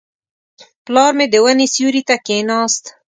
پلار مې د ونې سیوري ته کښېناست.